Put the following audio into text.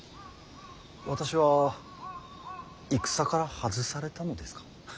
私は戦から外されたのですか。